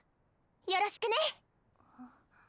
よろしくね。